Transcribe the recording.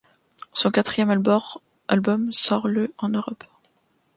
Son quatrième album sort le en Europe.